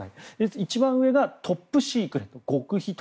一番上がトップシークレット・極秘と。